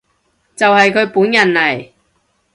就係佢本人嚟